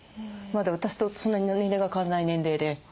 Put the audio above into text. まだ私とそんなに年齢が変わらない年齢で。